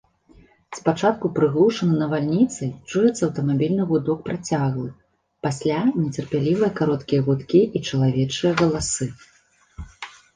Спачатку, прыглушаны навальніцай, чуецца аўтамабільны гудок працяглы, пасля нецярплівыя кароткія гудкі і чалавечыя галасы.